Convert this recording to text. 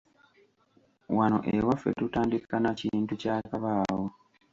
Wano ewaffe tutandika na kintu kyakabaawo.